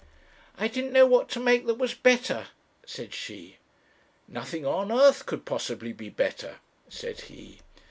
'I didn't know what to make that was better,' said she. 'Nothing on earth could possibly be better,' said he.